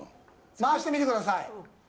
回してみてください。